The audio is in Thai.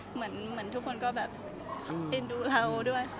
เหมือนทุกคนก็เห็นดูเราด้วย